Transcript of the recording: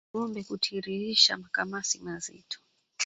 Ngombe kutiririsha makamasi mazito